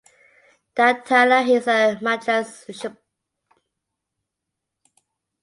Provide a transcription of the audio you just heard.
Dactylorhiza majalis subsp.